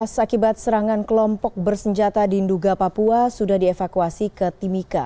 pas akibat serangan kelompok bersenjata di nduga papua sudah dievakuasi ke timika